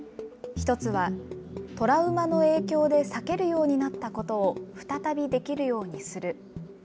一つは、トラウマの影響で避けるようになったことを再びできるようにする。